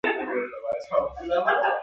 مخ پر ودې هیوادونه د خپل وجود ساتل غواړي